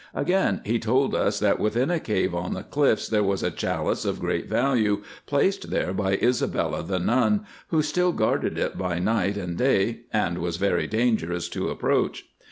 Again he told us that within a cave on the cliffs there was a chalice of great value placed there by Isabella the Nun, who still guarded it by night and day, and was very dangerous to approach.